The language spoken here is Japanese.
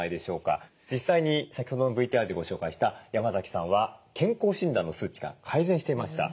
実際に先ほどのＶＴＲでご紹介した山崎さんは健康診断の数値が改善していました。